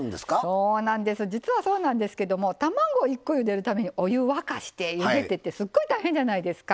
それもそうなんですけど卵１個ゆでるためにお湯を沸かしてゆでてってすごい大変じゃないですか。